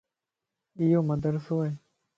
ايو مدرسو ائي